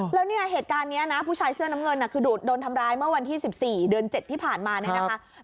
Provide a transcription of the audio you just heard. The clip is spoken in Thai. แล้วเนี่ยเหตุการณ์นี้นะผู้ชายเสื้อน้ำเงินคือโดนทำร้ายเมื่อวันที่๑๔เดือน๗ที่ผ่านมาเนี่ยนะคะ